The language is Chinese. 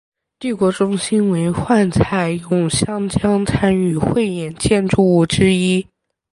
帝国中心为幻彩咏香江参与汇演建筑物之一。